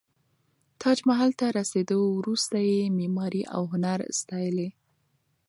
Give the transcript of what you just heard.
تاج محل ته رسېدو وروسته یې معماري او هنر ستایلی.